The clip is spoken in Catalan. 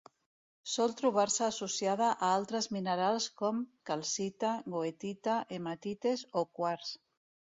Sol trobar-se associada a altres minerals com: calcita, goethita, hematites o quars.